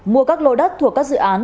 mua các lô đất thuộc các dự án